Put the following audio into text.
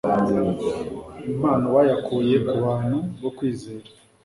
impamo bayakuye ku bantu bo kwizerwa,